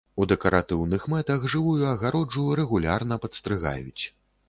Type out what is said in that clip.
У дэкаратыўных мэтах жывую агароджу рэгулярна падстрыгаюць.